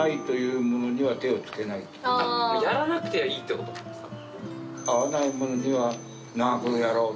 やらなくていいって事ですか？